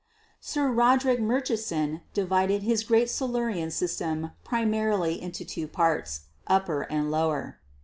"Sir Roderick Murchison divided his great Silurian sys tem primarily into two parts, Upper and Lower.